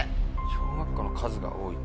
小学校の数が多い。